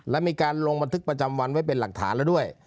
และมีการลงบันทึกประจำวันไว้เป็นหลักฐานแล้วด้วย